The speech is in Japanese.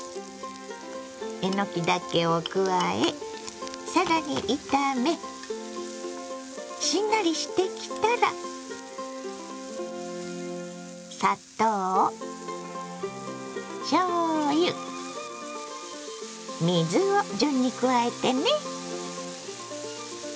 えのきだけを加え更に炒めしんなりしてきたら砂糖しょうゆ水を順に加えてね。